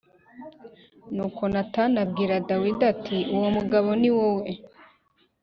Nuko Natani abwira Dawidi ati uwo mugabo ni wowe